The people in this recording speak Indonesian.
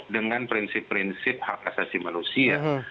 dengan prinsip prinsip hak asasi manusia